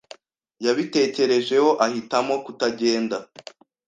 Yabitekerejeho ahitamo kutagenda.